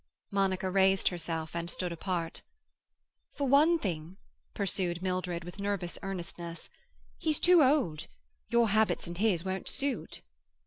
Monica raised herself and stood apart. "For one thing," pursued Mildred, with nervous earnestness, "he's too old. Your habits and his won't suit."